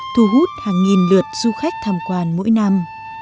thu hút hàng nghìn lượt du khách tham quan mỗi năm